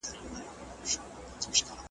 نه په غم د چا شریک وای نه له رنځه کړېدلای ,